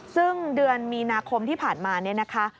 ซึ่งเดือนมีนาคมที่ผ่านมาเนี่ยนะคะ